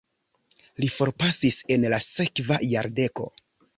Li forpasis en la sekva jardeko.